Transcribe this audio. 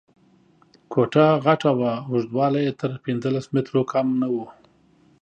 کوټه غټه وه، اوږدوالی یې تر پنځلس مترو کم نه و.